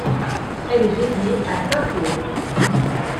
Elle est dédiée à Saint Claude.